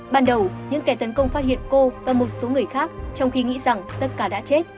ban đầu những kẻ tấn công phát hiện cô và một số người khác trong khi nghĩ rằng tất cả đã chết